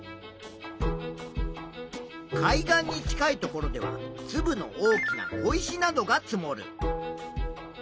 海岸に近いところではつぶの大きな小石などが積もる。